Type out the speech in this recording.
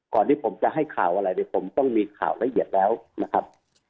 ที่ผมจะให้ข่าวอะไรเนี่ยผมต้องมีข่าวละเอียดแล้วนะครับ